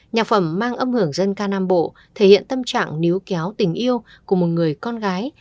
nhạc phẩm mang âm hưởng dân ca nam bộ thể hiện tâm trạng níu kéo tình yêu của một người con gái